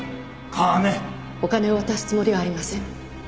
お金を渡すつもりはありません。